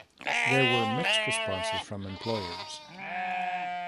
There were mixed responses from employers.